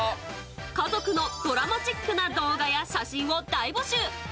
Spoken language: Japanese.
家族のドラマチックな動画や写真を大募集。